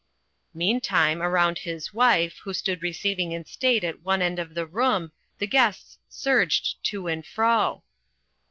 Meantime, around his wife, who stood receiving in state at one end of the room, the guests surged to and fro.